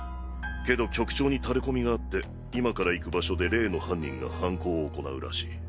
けど局長にタレコミがあって今から行く場所で例の犯人が犯行を行うらしい